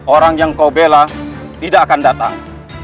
orang yang kau bela tidak akan datang